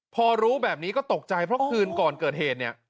พอรู้แบบนี้ก็ตกใจเพราะคืนก่อนเกิดเหตุเนี่ย